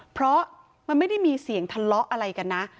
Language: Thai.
เพราะมันไม่ได้มีเสียงทะเลาะอะไรกันนะ